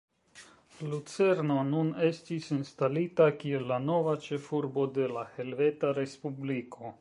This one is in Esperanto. Lucerno nun estis instalita kiel la nova ĉefurbo de la Helveta Respubliko.